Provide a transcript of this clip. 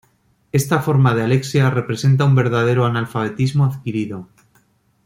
Esta forma de alexia representa un verdadero analfabetismo adquirido.